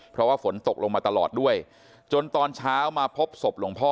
เพราะว่าฝนตกลงมาตลอดด้วยจนตอนเช้ามาพบศพหลวงพ่อ